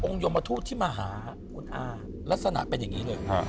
องค์ยมทูตที่มาหาลักษณะเป็นอย่างนี้เลย